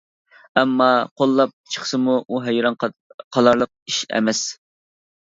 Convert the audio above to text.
ئەمما قوللاپ چىقسىمۇ ئۇ ھەيران قالارلىق ئىش ئەمەس.